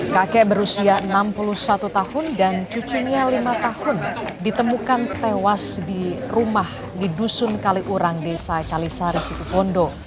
kakek berusia enam puluh satu tahun dan cucunya lima tahun ditemukan tewas di rumah di dusun kaliurang desa kalisari situpondo